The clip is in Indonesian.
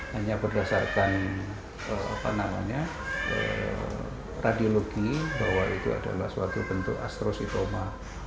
hanya berdasarkan radiologi bahwa itu adalah suatu bentuk astrositoma